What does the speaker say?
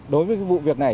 đối với vụ việc này